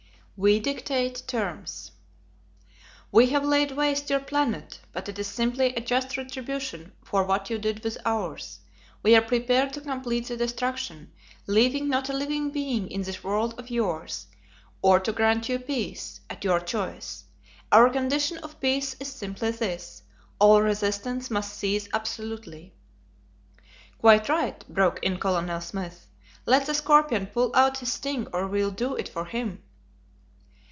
We Dictate Terms. "We have laid waste your planet, but it is simply a just retribution for what you did with ours. We are prepared to complete the destruction, leaving not a living being in this world of yours, or to grant you peace, at your choice. Our condition of peace is simply this: 'All resistance must cease absolutely.'" "Quite right," broke in Colonel Smith; "let the scorpion pull out his sting or we'll do it for him."